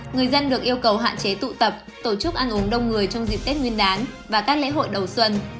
người dân được yêu cầu hạn chế tụ tập tổ chức ăn uống đông người trong dịp tết nguyên đán và các lễ hội đầu xuân